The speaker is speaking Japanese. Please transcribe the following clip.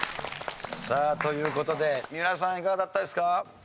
さあという事で三浦さんいかがだったですか？